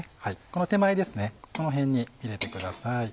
この手前この辺に入れてください。